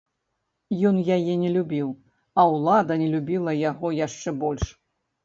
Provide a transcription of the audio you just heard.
Ён яе не любіў, а ўлада не любіла яго яшчэ больш!